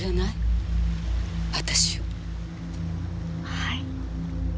はい？